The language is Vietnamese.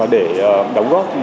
để đóng góp